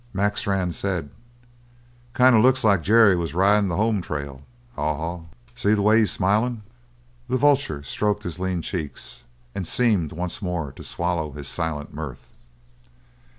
Mac Strann said: "Kind of looks like Jerry was ridin' the home trail, Haw Haw. See the way he's smilin'?" The vulture stroked his lean cheeks and seemed once more to swallow his silent mirth.